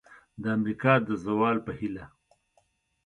د امریکا د زوال په هیله!